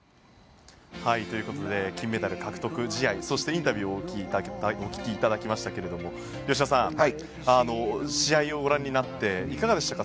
金メダル獲得試合そしてインタビューをお聞きいただきましたけれども吉田さん、試合をご覧になっていかがでしたか？